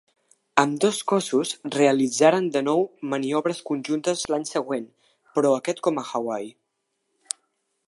Ambdós cossos realitzaren de nou maniobres conjuntes l'any següent, però aquest com a Hawaii.